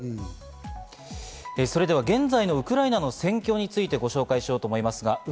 それでは現在のウクライナの戦況についてご紹介しようと思います。